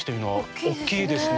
大きいですね。